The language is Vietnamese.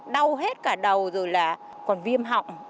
đau hết cả đầu rồi là còn viêm họng